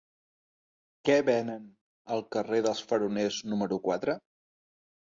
Què venen al carrer dels Faroners número quatre?